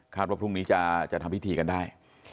ว่าพรุ่งนี้จะทำพิธีกันได้